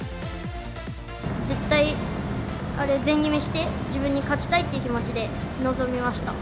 絶対、あれ、全決めして、自分に勝ちたいっていう気持ちで臨みました。